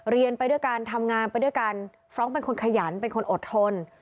เรียนไปด้วยกันทำงานไปด้วยกันฟรองก์เป็นคนขยันเป็นคนอดทน